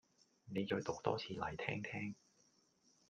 你再讀多次嚟聽聽